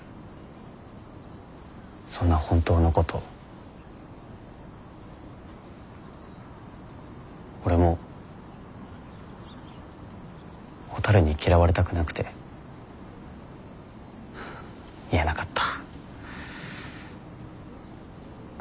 そんな本当のこと俺もほたるに嫌われたくなくて言えなかった。